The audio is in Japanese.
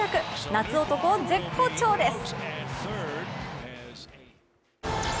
夏男、絶好調です。